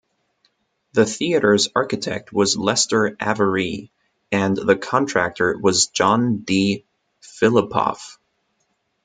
The theater's architect was Lester Avery and the contractor was John D. Phillipoff.